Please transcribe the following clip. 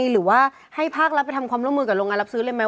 หรือว่าให้ภาครัฐไปทำความร่วมมือกับโรงงานรับซื้อเลยไหม